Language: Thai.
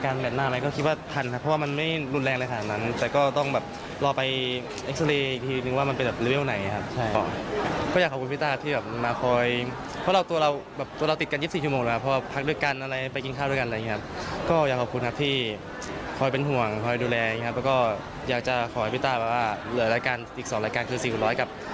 การคือ๔คุณร้อยกับ๑๐๐เมตรก็อยากให้วิทยาคว้าใช้มาได้ครับ